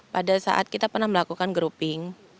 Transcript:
pada saat kita pernah melakukan grouping